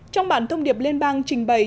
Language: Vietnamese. trong bản thông điệp liên bang trình bày